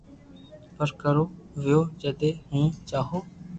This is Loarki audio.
پر ڪرو ويو جدي ھون چاھو